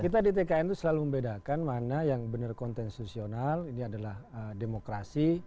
kita di tkn itu selalu membedakan mana yang benar konstitusional ini adalah demokrasi